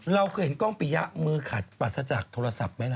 เราเคยเห็นกล้องปียะมือขาดปราศจากโทรศัพท์ไหมล่ะ